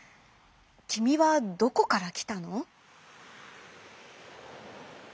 きみはどこからきたの？」。